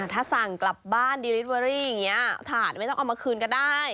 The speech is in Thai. ถ้าสั่งกลับบ้านดิริตเวอรี่อย่างนี้ถาดไม่ต้องเอามาคืนก็ได้